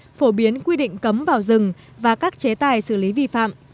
nguyên quy định cấm vào rừng và các chế tài xử lý vi phạm